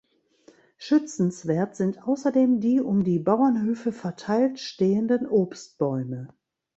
Schützenswert sind außerdem die um die Bauernhöfe verteilt stehenden Obstbäume.